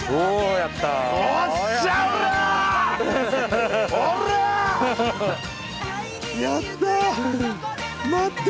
やった！